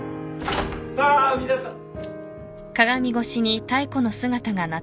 さあ皆さん。